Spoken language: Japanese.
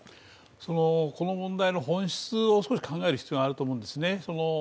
この問題の本質を少し考える必要があると思うんですね。